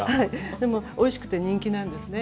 でもおいしくて人気なんですね。